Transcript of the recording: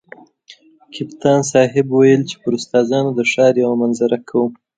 کپتان صاحب ویل چې پر استادانو د ښار یوه منظره کوم.